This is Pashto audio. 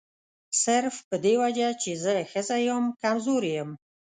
صرف په دې وجه چې زه ښځه یم کمزوري یم.